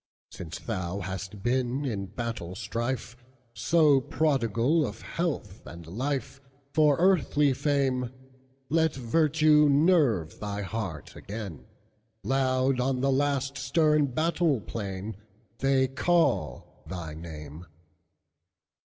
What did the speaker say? "Since thou hast been, in battle strife, So prodigal of health and life, For earthly fame, Let virtue nerve thy heart again; Loud on the last stern battle plainThey call thy name.